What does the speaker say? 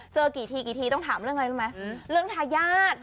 เจอกี่ทีกี่ทีต้องถามเรื่องอะไรรู้ไหมเรื่องทายาท